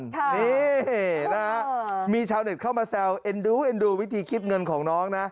นี่นะฮะมีชาวเน็ตเข้ามาแซวเอ็นดูเอ็นดูวิธีคิดเงินของน้องนะ